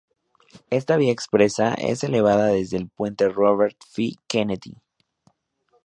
Esta vía expresa es elevada desde el Puente Robert F. Kennedy.